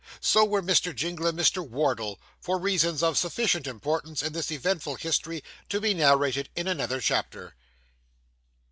So were Mr. Jingle and Miss Wardle, for reasons of sufficient importance in this eventful history to be narrated in another chapter.